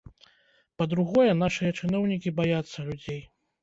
Па-другое, нашыя чыноўнікі баяцца людзей.